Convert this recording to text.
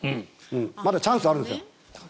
まだチャンスはあるんです。